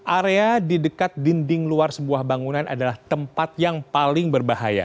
area di dekat dinding luar sebuah bangunan adalah tempat yang paling berbahaya